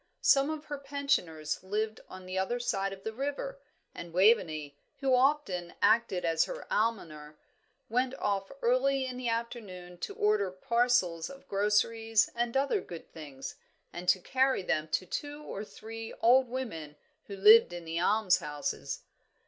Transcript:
Some of her pensioners lived on the other side of the river, and Waveney, who often acted as her almoner, went off early in the afternoon to order parcels of groceries and other good things, and to carry them to two or three old women who lived in the almshouses.